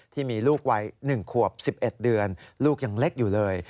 ที่มีลูกวัย๑ขวบ๑๑เดือนลูกยังเล็กอยู่เลย